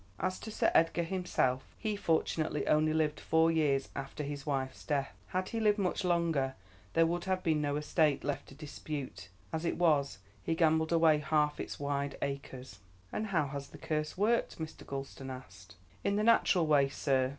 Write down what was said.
As to Sir Edgar himself, he fortunately only lived four years after his wife's death. Had he lived much longer, there would have been no estate left to dispute. As it was, he gambled away half its wide acres." "And how has the curse worked?" Mr. Gulston asked. "In the natural way, sir.